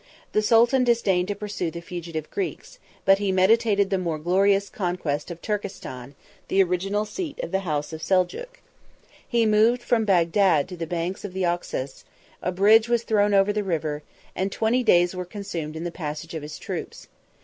The sultan disdained to pursue the fugitive Greeks; but he meditated the more glorious conquest of Turkestan, the original seat of the house of Seljuk. He moved from Bagdad to the banks of the Oxus; a bridge was thrown over the river; and twenty days were consumed in the passage of his troops.